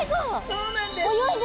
そうなんです。